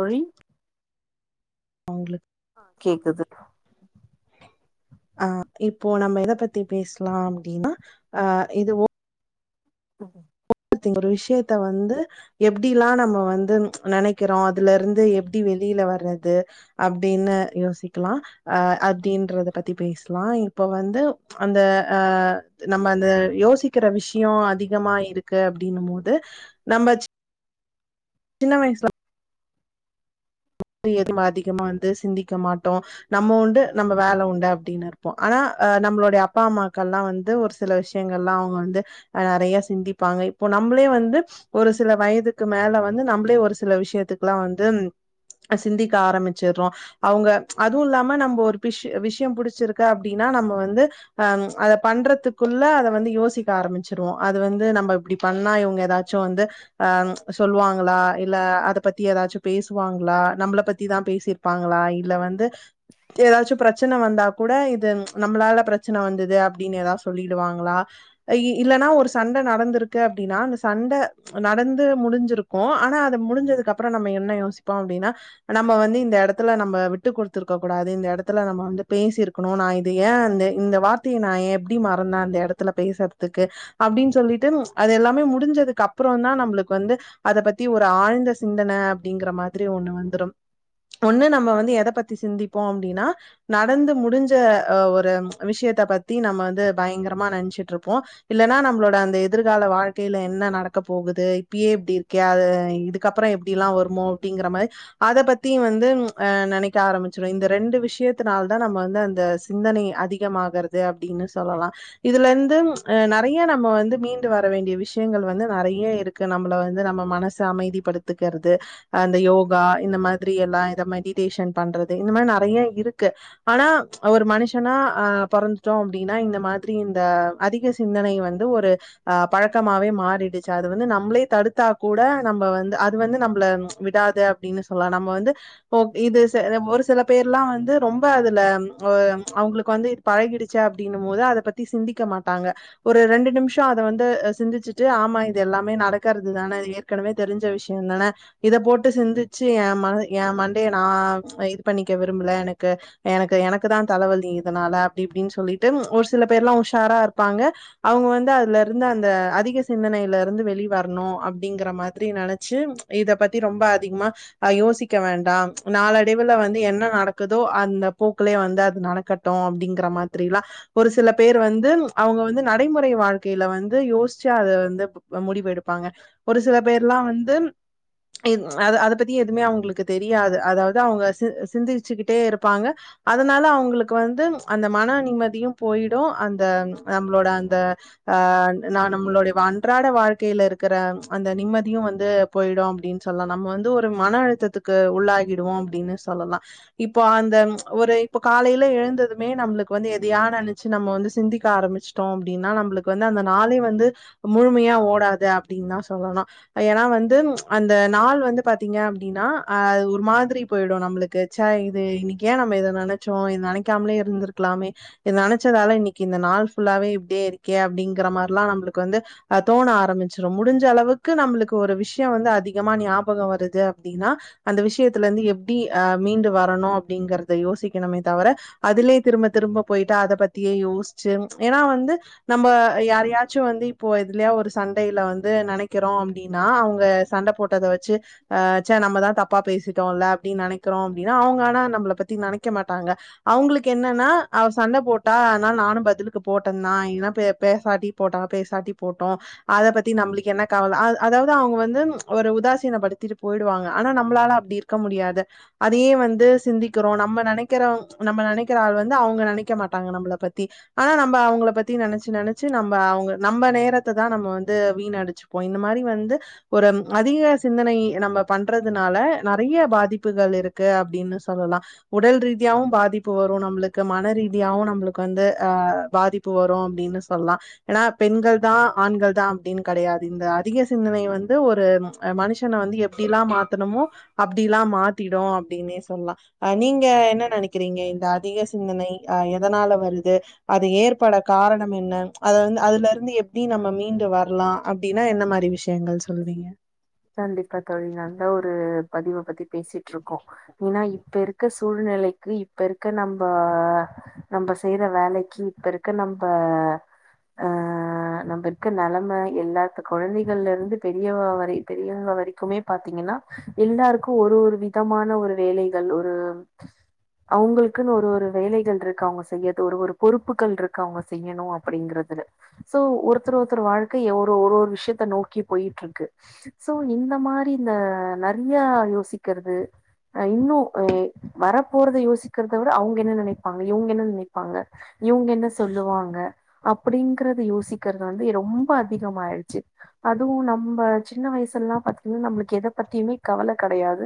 ஓழி அவங்ளுக் அ கேக்குது அஹ் இப்போ நம்ம எத பத்தி பேஸ்லா அப்டின்னா அஹ் இது திங் ஒரு விஷயத்த வந்து எப்டில்லா நம்ம வந்து நெனைக்கிறோ அதுலருந்து எப்டி வெளில வர்றது அப்டின்னு யோசிக்லா அஹ் அப்டின்றத பத்தி பேசலா இப்ப வந்து அந்த அஹ் நம்ம அந்த யோசிக்கிற விஷ்யொ அதிகமா இருக்கு க்கு அப்டின்னும் போது நம்ம சின்ன வயசுல எதும் அதிகமா வந்து சிந்திக்க மாட்டோ நம்ம உண்டு நம்ம வேல உண்டு அப்டின்னு இருப்போ ஆனா அஹ் நம்மளோடய அப்பாம்மாக்கள்லா வந்து ஒரு சில விஷயங்கள்லா அவங்க வந்து அஹ் நெறய சிந்திப்பாங்க இப்போ நம்ளே வந்து ஒரு சில வயதுக்கு மேல வந்து நம்ளே ஒரு சில விஷயத்துக்குலா வந்து சிந்திக்க ஆரம்பிச்சிர்றோ அவுங்க அதுவ்ல்லாம நம்ம ஒரு பிஷ் விஷ்யொ புடிச்சிருக்க அப்டின்னா நம்ம வந்து அஹ் அத பண்றதுக்குள்ள அத வந்து யோசிக்க ஆரம்பிச்சிருவோ அது வந்து நம்ம இப்டி பண்ணா இவங்க எதாச்சு வந்து அஹ் சொல்லுவாங்களா இல்ல அத பத்தி எதாச்சு பேசுவாங் லா நம்பள பத்திதா பேசிருப்பாங்களா இல்ல வந்து எதாச்சும் பிரச்சன வந்தா கூட இது நம்ளால பிரச்சன வந்துது அப்டின்னு எதாவது சொல்லிடுவாங்களா இ இல்லன்னா ஒரு சண்ட நடந்துருக்கு அப்டின்னா அந்த சண்ட நடந்து முடிஞ்சிருக்கு ஆனா அத முடிஞ்சதுக்கப்றொ நம்ம என்ன யோசிப் போ அப்டின்னா நம்ப வந்து இந்த எடத்துல நம்ம விட்டு குடுத்துர்க்க கூடாது இந்த எடத்துல நம்ம வந்து பேசிருக்கணு நா இது ஏன் இந் இந்த வார்த்தைய நா ஏ மறந்த அந்த எடத்துல பேசுறதுக்கு அப்டின் சொல்லிட் டிம் அது எல்லாமே முடிஞ்சதுக்கப்றோ தா நம்ளுக் வந்து அத பத்தி ஒரு ஆழ்ந்த சிந்தன அப்டிங்கற மார் ரி ஒண்ணு வந்துரும் ஒண்ணு நம்ம வந்து எத பத்தி சிந்திப்போ அப்டின்னா நடந்து முடிஞ்ச ஒரு விஷயத்த பத்தி நம்ம வந்து பயங்கரமா நெனச்சுட்ருப்போ இல்லன்னா நம்ளோட அந்த எதிர்கால வாழ்க்கைல என்ன நடக்க போகுது இப்பயே எப்டி இருக்கே அது இதுக்கப்றோ எப்டிலா வருமோ அப்டிங்கிற மாரி அத பத்தி வந்து அஹ் நெனைக்க ஆரம்பிச்சுடுவே இந்த ரெண்டு விஷயத்தினால தா நம்ம வந்து அந்த சிந்தனை அதிகமாகறது அப்டின்னு சொல்லலா இதுலந்து அஹ் நெறைய நம்ம வந்து மீண்டு வர வேண்டிய விஷயங்கள் வந்து நெறய்ய இருக்கு நம்மள வந்து நம்ம மனசு அமைதிப்படுத்துக்கிறது அந்த யோகா இந்த மாதிரியெல்லா இந்ந மெடிடேஷன் பண்றது இந்த மாரி நெறையா இருக்கு ஆனா ஒரு மனுஷனா ஆஹ் பொறந்துட்டோ அப்டின்னா இந்த மாதிரி இந்த அதிக சிந்தனை வந்து ஒரு ஆஹ் பழக்கமாவே மாறிடுச்சு அது வந்து நம்ளே தடுத்தா கூட நம்ம வந்து அது வந்து நம்மள விடாது அப்டின்னு சொல்லா நம்ப வந்து ஒ இது செ ஒரு சில பேர் எல்லா வந்து ரொம்ப அதுல அஹ் அவங்ளுக்கு வந்து இது பழகிடுச்சே அப்டின்னும் போது அத பத்தி சிந்திக்க மாட்டாங்க ஒரு ரெண்டு நிமிஷொ அத வந்து சிந்திச்சிட்டு ஆமா இது எல்லாமே நடக்கறது தானே ஏற்கனவே தெரிஞ்ச விஷயொ தான இத போட்டு சிந்திச்சு ஏ ம ஏ மண்டய நா இது பண்ணிக்க விரும்ல எனக்கு எனக்கு எனக்கு தா தலைவலி இதனால அப்டி இப்டின்னு சொல்லிட்டு ஒரு சில பேர்லாம் உஷாரா இருப்பாங்க அவுங்க வந்து அதுலருந்து அந்த அதிக சிந்தனையிலருந்து வெளி வரணு அப்டிங்கிற மாதிரி நெனச்சு இத பத் ரொம்ப அதிகமா அ யோசிக் க்க வேண்டாம் நாளடைவுல வந்து என்ன நடக்குதோ அந்த போக்குலயே வந்து அது நடக்கட்டும் அப்டிங்கிற மாரி எல்லா ஒரு சில பேர் வந்து அவங்க வந்து நடைமுறை வாழ்க்கையில வந்து யோசிச்சி அத வந்து முடிவு எடுப்பாங்க ஒரு சில பேர்ல்லா வந்து இன் அத அத பத்தி எதுவுமே அவங்ளுக்கு தெரியாது அதாவது அவங்க சி சிந்திச்சுக்கிட்டே இருப்பாங்க அதனால அவங்களுக்கு வந்து அந்த மன நிம்மதியும் போய்டும் அந்த நம்ளோட அந்த அஹ் நா நம்மளோடய வ அன்றாட வாழ்க்கையில இருக்குற அந்த நிம்மதியு வந்து போய்டு அப்டின் சொல்லா நம்ம வந்து ஒரு மன அழுத்தத்துக்கு உள்ளாகிடுவோ அப்டின்னு சொல்லலா இப்போ அந்த ஒரு இப்ப காலையில எழுந்ததுமே நம்ளுக்கு வந்து எதையா நினைச்சு நம்ம வந்து சிந்திக்க ஆரம்பிச்ட்டோ அப்டின்னா நம்ளுக்கு வந்து அந்த நாளே வந்து முழுமையா ஓடாது அப்டின்தா சொல்லலாம் ஏனா வந்து அ த நாள் வந்து பாத்தீங்க அப்டினா அஹ் ஒரு மாதிரி போயிடு நம்ளுக்கு ச இது இன்னைக்கி ஏ நம்ம இதை நெனச்சோ இத் நெனைக்காமலே இருந்ருக்கலாமே இதை நெனச்சதால இன்னைக்கு இந்த நாள் ஃபுல்லாவே இப்டியே இருக்கே அப்டிங்ற மாதிரிலாம் நம்ளுக்கு வந்து தோண ஆரம்பிச்சிடும் முடிஞ்ச அளவுக்கு நம்ளுக்கு ஒரு விஷயொ வந்து அதிக அதிகமா ஞாபகொ வருது அப்டின்னா அந்த விஷயத்தலந்து எப்படி அ மீண்டு வரணு அப்டிங்றத யோசிக்கணுமே தவர அதுலயே திரும்ப திரும்ப போய்ட்டு அத பத்தியே யோஸ்ச்சு ஏன்னா வந்து நம்ம யாரயாச்சு வந்து இப்போ எதுலயா ஒரு சண்டையில வந்து நெனைக்கிறோ அப்டின்னா அவங்க சண்ட போட் டத வெச்சு ஆஹ் ச நம்மதா தப்பா பேசிட்டோல அப்டின்னு நெனக்கிறோ அப்டின்னா அவுங்க ஆனா நம்ள பத்தி நெனக்க மாட்டாங்க அவங்ளுக்கு என்னன்னா அவ சண்ட போட்டா அனால நானும் பதிலுக்கு போட்டந்தா இன பெ பேசாட்டி போட்ட பேசாட்டி போட்டு அத பத்தி நம்ளுக்கு என்ன கவல அத் அதாவது அவுங்க வந்து ஒரு உதாசீனபடுத்திட்டு போய்டுவாங்க ஆனா நம்ளால அப்டி இருக்க முடியாது அதயே வந்து சிந்திக்கிறோம் நம்ம நெனைக்கிற நம்ம நெனைக்கிற ஆள் வந்து அவங்க நெனைக்க மாட்டாங்க நம்ள பத்தி ஆனா நம்ம அவங்ள பத்தி நெனச்சி நெனச்சி நம்ம அவங்க நம்ம நேரத்தை தா நம்ம வந்து வீண் அடிச்சுப்போ இந்த மாரி வந்து ஒரு அதிக சிந்தனை நம்ம பண்றதுனால நெறைய்ய பாதிப்புகள் இருக்கு அப்டின்னு சொல்லலா உடல் ரீதியாவும் பாதிப்பு வரும் நம்ளுக்கு மன ரீதியாவு நம்ளுக்கு வந்து அஹ் பாதிப்பு வரும் அப்டின்னு சொல்லா ஏனா பெண்கள் தா ஆண்கள் தா அப்டின் கெடையாது இந்த அதிக சிந்தனை வந்து ஒர் பேம் மனுஷனை வந்து எப்டிலா மாத்தணுமோ அப்டிலா மாத்திடூ அப்டினே சொல்லா அ நீங்க என்ன நெனைக்கிறீங்க இந்த அதிக சிந்தனை அ எதனால வருது அது ஏற்பட காரணம் என்ன அத வந்து அதுல இருந்து எப்டி நம்ம மீண்டு வரலா அப்டின்னா என்ன மாதிரி விஷயங்கள் சொல்றீங்க கண்டிப்பா தோழி நல்ல ஒரு பதிவ பத்தி பேசிட்ருக்கோ ஏனா இப்ப இருக்க சூழ்நிலைக்கு இப்ப இருக்க நம்ப நம்ப செய்யற வேலைக்கு இப்ப இருக்க நம்ப ஆஹ் நம்ம இருக்க நெலமை எல்லாத்து கொழந்தைகள்ல இருந்து பெரியவா வரை பெரியவங்க வரைக்குமே பாத்திங்கனா எல்லாருக்கு ஒரு ஒரு விதமான ஒரு வேலைகள் ஒரு அவங்களுக்குன்னு ஒரு ஒரு வேலைகள் இருக்கு அவங்க செய்யறது ஒரு ஒரு பொறுப்புகள் இருக்கு அவங்க செய்யணும் அப்படிங்கறதுல சோ ஒருத்தர் ஒருத்தர் வாழ்க்கை ஒரு ஒரு ஒரு விஷயத்த நோக்கி பொயிட்ருக்கு சோ இந்த மாரி இந்த நெறைய யோசிக்கிறது இன்னு எ வரப்போறத யோசிக்கிறத விட அவங்க என்ன நெனைப்பாங்க இவங்க என்ன நெனைப்பாங்க இவங்க என்ன சொல்லுவாங்க அப்டிங்கறத யோசிக்கிறது வந்து ரொம்ப அதிகம் ஆயிடுச்சு அதுவும் நம்ம சின்ன வயசு ல்லா பாத்திங்கனா நம்ளுக்கு எத பத்தியுமே கவல கெடயாது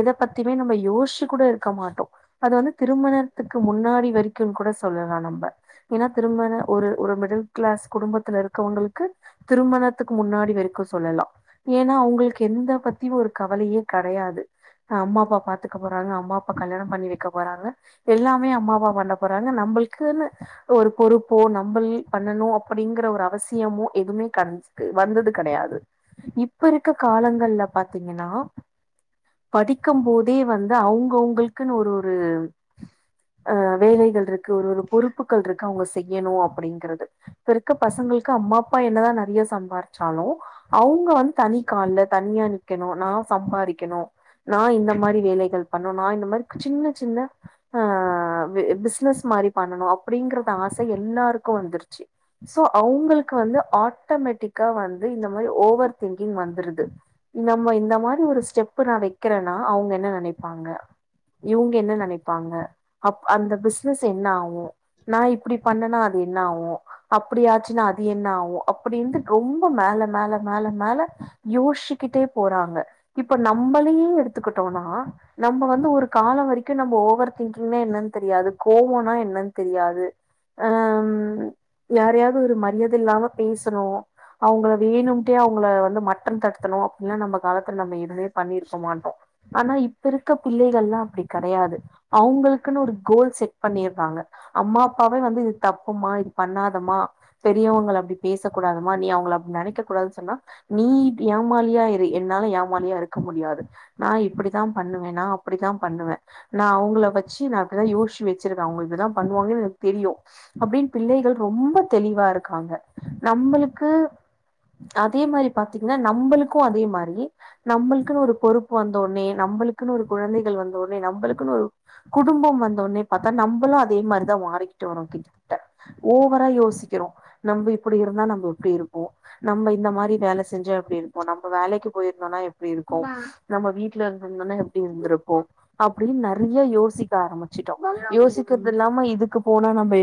எத பத்தியுமே நம்ம யோசிச்சு கூட இருக்க மாட்டோ அது வந்து திருமணத்துக்கு முன்னாடி வரைக்குன் கூட சொல்லலா நம்ப ஏனா திருமண ஒரு ஒரு மிடில் கிளாஸ் குடும்பத்துல இருக்கவங்களுக்கு திருமணத்துக்கு முன்னாடி வரைக்கு சொல்லலா ஏன்னா அவங்களுக்கு எந்த பத்தி ஒரு கவலயே கெடயாது அம்மா அப்பா பாத்துக்க போறாங்க அம்மா அப்பா கல்யாணம் பண்ணி வைக்க போறாங்க எல்லாமே அம்மா அப்பா பண்ண போறாங்க நம்பள்க்கூனு ஒரு பொறுப்போ நம்மள் பண்ணணும் அப்டிங்கிற ஒரு அவசியமோ எதுவுமே க வந்தது கெடயாது இப் இப்ப இருக்க காலங்கள்ல பாத்திங்கனா படிக்கும் போதே வந்து அவங்கவுங்களுக்குன்னு ஒரு ஒரு அஹ் வேலைகள் இருக்கு ஒரு ஒரு பொறுப்புகள் இருக்கு அவங்க செய்யணு அப்டிங்கிறது இப்ப இருக்க பசங்களுக்கு அம்மா அப்பா என்னதா நெறைய சம்பாரிச்சாலும் அவுங்க வந் தனி கால்ல தனியா நிக்கணு நா சம்பாதிக்கணு நா இந்த மாரி வேலைகள் பண்ணு நா இந்த மாரி சின்ன சின்ன ஹ பி பிசினஸ் மாரி பண்ணனு அப்டிங்கறது ஆச எல்லாருக்கு வந்துருச்சு சோ அவங்களுக்கு வந்து ஆட்டோமேட்டிக் கா வந்து இந்த மாரி ஓவர் திங்கிங் வந்துருது நம்ம இந்த மாரி ஒரு ஸ்டெப்பு நா வைக்கிறன்னா அவங்க என்ன நெனைப்பாங்க இவங்க என்ன நெனைப்பாங்க அப் அந்த பிசினஸ் என்ன ஆகும் நா இப்டி பண்ணுனா அது என்ன ஆவு அப்டியாச்சுனா அது என்ன ஆவு அப்டின்ட்டு ரொம்ப மேல மேல மேல மேல யோசிக்கிட்டே போறாங்க இப்ப நம்மளே எடுத்துக்கிட்டோனா நம்ம வந்து ஒரு காலொ வரைக்கு நம்ம ஓவர் திங்கிங்னா என்னன் தெரியாது கோவோனா என்னன் தெரியாது அம் யாரையாவது ஒரு மரியாதை இல்லாம பேசணும் அவங்கள வேணும்டே அவ் வங்கள வந்து மட்டன் தடுத்தணு அப்டின்லா நம்ம காலத்துல நம்ம எதுவுமே பண்ணிருக்கமாட்டோ ஆனா இப்ப இருக்க பிள்ளைகள்லா அப்டி கிடையாது அவங்களுக்குன்னு ஒரு கோல் செட் பண்ணிருறாங்க அம்மா அப்பாவே வந்து இது தப்புமா இது பண்ணாதமா பெரியவங்கள அப்டி பேசக்கூடாதமா நீ அவங்கள அப்படி நெனைக்க கூடாது சொன்னா நீ ஏமாலியா இரு என்னால ஏமாலியா இருக்க முடியாது நா இப்டித்தா பண்ணுவே நா அப்டித்தா பண்ணுவே நா அவங்கள வச்சு நா இப்டிதா யோசிச்சு வச்சிருவெ அவங்க இப்டிதான் பண்ணுவாங்கன் எனக்கு தெரியும் அப்டின் பிள்ளைகள் ரொம்ப தெளிவா இருக்காங்க நம்மள்க்கு தேமாரி பாத்திங்னா நம்பளுக்கு அதே மாதிரி நம்மளுக்குன்னு ஒரு பொறுப்பு வந்தோடனே நம்மளுக்குன்னு ஒரு குழந்தைகள் வந்தோடனே நம்மளுக்குன்னு ஒரு குடும்பம் வந்தோடனே பாத்தா நம்மளு அதே மாதிரிதா மாறிகிட்டு வரோம் கிட்ட ஓவரா யோசிக்கிறோ நம்ம இப்டி இருந்தா நம்ம எப்டி இருப்போ நம்ம இந்த மார் இ வேலை செஞ்சா எப்டி இருப்போ நம்ம வேலைக்கு போயிருந்தோனா எப்டி இருக்கு நம்ம வீட்ல இருந்துருந்தோனா எப்டி இருந்துருப்போ அப்டின் நெறைய யோசிக்க ஆரம்பிச் ம் யோசிக்கிறது ம். இல்லாம இதுக்கு போனா நம்ம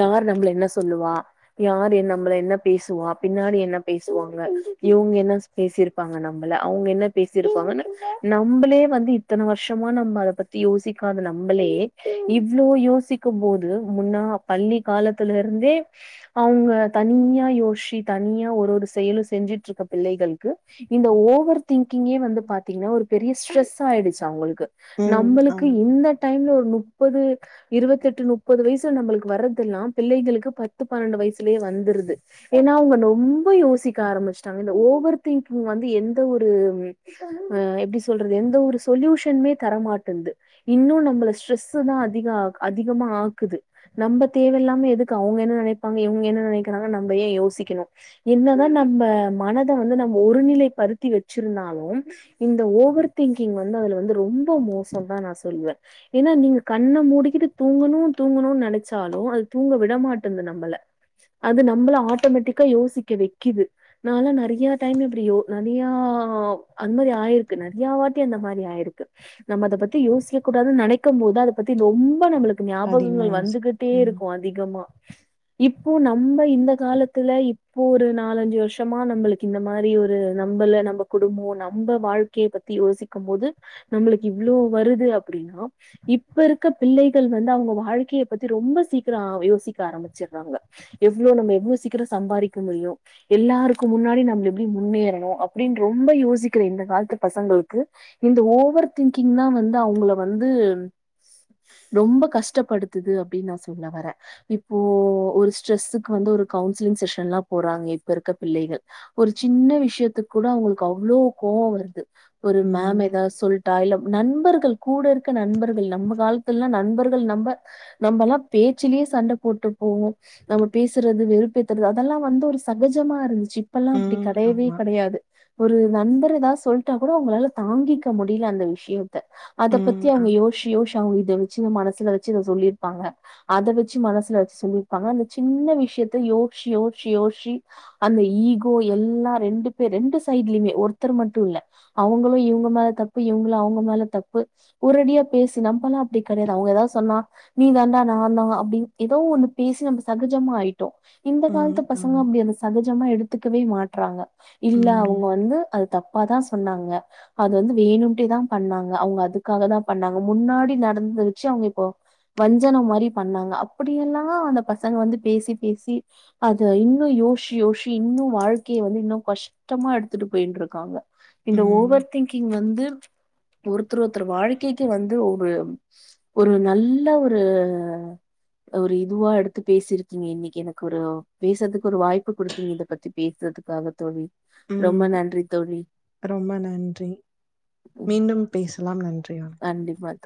யார் நம்மள என்ன சொல்லுவா யார் நம்மள என்ன பேசுவா பின்னாடி என்ன பேசுவா ங்க இவங்க என்ன பேசிருப்பாங்க நம்மள அவங்க என்ன பேசி இருப்பாங்க நம்மளே வந்து இத்தனை வருஷமா நம்ம அத பத்தி யோசிக்காத நம்மளே இவ்வளோ யோசிக்கும் போோது முன்னா பள்ளி காலத்துல இருந்தே அவங்க தனியா யோசி தனியா ஒரு ஒரு செயலு செஞ்சிட்டு இருக்க பிள்ளைகளுக்கு இந்த ஓவர் திங்கிங்கே வந்து பாத்தீங்கன்னா ஒரு பெரிய ஸ்ட்ரஸ் ஆயிடுச்சு அவங்களுக்கு ம். நம்மளுக்கு ஆமா. இந்த டைம்ல ஒரு மு முப்பது இருவெத்தெட்டு முப்பது வயசுல நம்மளுக்கு வரதெல்லாம் பிள்ளைங்களுக்கு பத்து பன்னெண்டு வயசுலயே வந்துருது ஏன்னா அவங்க ரொம்ப யோசி தல்ரட்டன்னும் அதிகமாக்கு நலாம யோச என் நம்ம மனத வந்து நம்ம ஒருநிலை பருத்தி வச்சிருந்தாலும் இந்த ஓவர் திங்கிங் வந்து அதுல வந்து ரொம்ப மோசம தான் நான் சொல்லுவேன் ஏன்னா நீங்க கண்ணை மூடிக்கிட்டு தூங்கணும் தூங்கணும்னு நினைச்சாலும் அது தூங்க விடமாட்டேது நம்மளை அது நம்மள ஆட்டோமேட்டிக்கா யோசிக்க வை து நான்ல நெறைய டைம் இப்படி நெறைய அந்த மாரி ஆயிருக்கு நெறைய வாட்டி அந்த மாரி ஆயிருக்கு நம்ம அத பத்தி யோசிக்க கூடாது நினைக்கும் போது அதை பத்தி ரொம்ப நம்ம அதிகமா ஞாபகங்கள் யோசிப்போம். வந்துகிட்டே ம். இருக்கும் அதிகமா இப்போ நம்ம இந்த காலத்துல இப்போ ஒரு ந நாலஞ்சு வருஷமா நம்மளுக்கு இந்த மாதிரி ஒரு நம்மல நம்ம குடும்பம் நம்ம வாழ்க்கைய பத்தி யோசிக்கும் போது நம்மளுக்கு இவ்வளோ வருது அப்படின்னா இப்ப இருக்க பிள்ளைகள் வந்து அவங்க வாழ்க்கைய பத்தி ரொம்ப சீக்கிரம் யோசிக்க ஆரம்பிச்சடுறாங்க எவ்வளோ நம்ம எவ்வளவு சீக்கிரம் சம்பாரீக்க முடியும் எல்லாருக்கும் முன்னாடி நம்ம எப்படி முன்னேறணும் அப்படின்னு ரொம்ப யோசிக்கிற இந்த காலத்து பசங்களுக்கு இந்த ஓவர் திங்கிங் தான் வந்து அவங்ல வந்து ரொம்ப கஷ்டப்படுத்துது அப்படின்னு நான் சொல்ல வரேன் இப்போ ஒரு ஸ்ட்ரெஸ்ஸுக்கு வந்து ஒரு கவுன்சிலிங் செஷன் எல்லாம் போறாங்க இப்ப இருக்கிற பிள்ளைகள் ஒரு சின்ன விஷயத்து கூட அவங்களுக்கு அவ்வளோ கோவம் வருது ஒரு மேம் ம். ஏதாவது சொல்லிட்டா இல நண்பர்கள் கூட இருக்க நண்பர்கள் நம்ம காலத்துல்லாம் நண்பர்கள் நம்ம நம்மல்லாம் பேச்சிலேயே சண்டை போட்டு போவோம் நம்ம பேசுறது வெறுப்பேத்துறது அதெல்லாம் வந்து ஒரு சகஜமா இருந்து ச இப்பெல்லாம் அப்படி ம். கடையவே ஆமா. கெடையாது ஒரு நண்பர் ஏதாவது சொல்ட்டா கூட உங்களால தாங்கிக்க முடியல அந்த விஷயத்த அத பத்தி ம். ஆ. அவங்க யோசு யோசு அவங்க இதைச்ச சின்ன மனசுல வச்சு அத சொல்லிருப்பாங்க அதை வச்சு மனசுல வச்சு சொல்லிருப்பாங்க அந்த சின்ன விஷயத்த யோசிச் யோசிச் யோசிச் அந்த ஈகோ எல்லாம் ரெண்டு பேர் ரெண்டு சைடலயுமே ஒருத்தர் மட்டும் இல்ல அவங்களும் இவங்க மேல தப்பு இவங்களும் அவங்க மேல தப்பு உரடியா பேசி நம்மல்லாம் அப்படி கிடையாது அவங்க ஏதாவது சொன்னா நீ தாண்டா நான் தான் அப்படின்னு ஏதவும் ஒண்ணு பேசி நம்ம சகஜமா ஆயி இந்த ம். காலத்து பசங்க ஆமா. அப்படி சகஜமா எடுத்துக்கவே மாட்டறாங்க இல்ல ம். அவங்க வந்து அது தப்பு தப்பா தான் சொன்னாங்க அது வந்து வேணும்ட்டே தான் பண்ணாங்க அவங்க அதுக்காக தான் பண்ணாங்க முன்னாடி நடந்தத வச்சு அவங்க இப்போ வஞ்சன மாரி பண்ணாங்க அப்படிெல்லாம் அந்த பசங்க வந்து பேசி பேசி அத இன்னும் யோச யோசி இன்னும் வாழ்க்கையை வந்து இன்னும் கஷ்டமா எடுத்துட்டு போய்ன்ட்டு இருக்காங்க இந்த ம். ஓவர் திங்கிங் வந்து ஒருத்தர் ஒருத்தர் வாழ்க்கைக்கு வந்து ஒரு ஒரு நல்ல ஒரு ஒரு இதுவா எடுத்து பேசிருக்கீங்க இன்னைக்கு எனக்கு ஒரு பேசுறதுக்கு ஒரு வாய்ப்பு குடுத்தீங்க இதை பத்தி பேசுறதுக்காக தோழி ரொம்ப ம் நன்றி தோழி. ரொம்ப நன்றி ம். மீண்டும் பேசலாம் நன்றி வணக்கம் கண்டிப்பா தோழி.